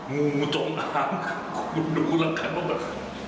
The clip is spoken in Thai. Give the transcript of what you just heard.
งูจงห้ามคุณดูแล้วกันว่า